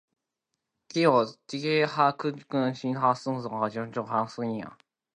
請用一比九十九漂白水清潔消毒